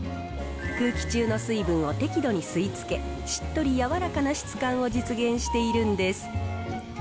空気中の水分を適度に吸い付け、しっとり柔らかな質感を実現しているんです。